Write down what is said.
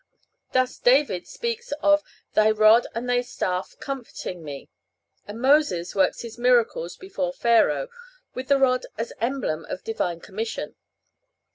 Thus David speaks of "Thy rod and Thy staff comforting me;" and Moses works his miracles before Pharaoh with the rod as emblem of Divine commission.